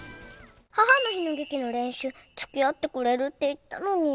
「母の日の劇の練習付き合ってくれるって言ったのに」